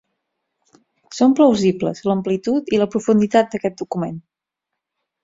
Són plausibles l'amplitud i la profunditat d'aquest document.